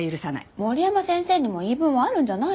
森山先生にも言い分はあるんじゃないの？